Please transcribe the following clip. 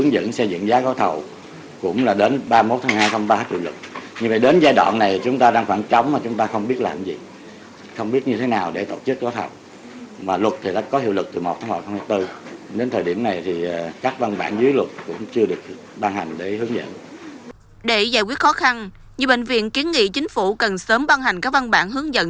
để giải quyết khó khăn nhiều bệnh viện kiến nghị chính phủ cần sớm ban hành các văn bản hướng dẫn